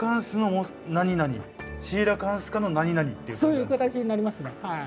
そういう形になりますねはい。